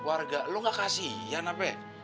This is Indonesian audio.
warga lu nggak kasihan apa ya